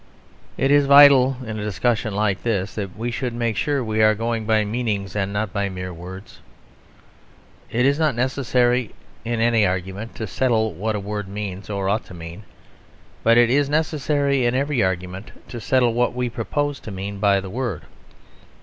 It is vital in a discussion like this, that we should make sure we are going by meanings and not by mere words. It is not necessary in any argument to settle what a word means or ought to mean. But it is necessary in every argument to settle what we propose to mean by the word.